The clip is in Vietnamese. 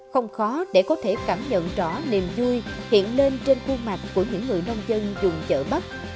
không khó để có thể cảm nhận rõ niềm vui hiện lên trên khuôn mặt của những người nông dân dùng chợ bắp